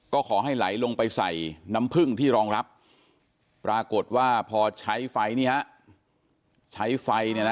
ก็ขอให้ไหลลงไปใส่น้ำผึ้งที่รองรับปรากฏว่าพอใช้ไฟใช้ไฟเนี่ยนะ